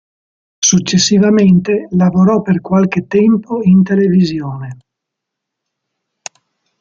Successivamente lavorò per qualche tempo in televisione.